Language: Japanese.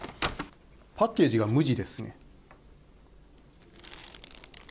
パッケージが無地ですね。